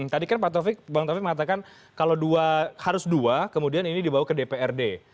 tadi kan pak taufik bang taufik mengatakan kalau dua harus dua kemudian ini dibawa ke dprd